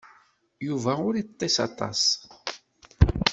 Yuba ur ittess aṭas.